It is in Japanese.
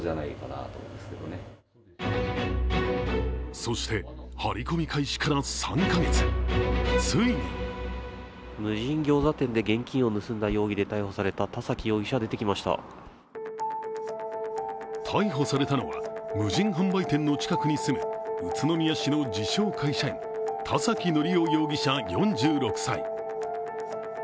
そして、ハリコミ開始から３か月、ついに逮捕されたのは無人販売店の近くに住む宇都宮市の自称・会社員田崎敬大容疑者４６歳。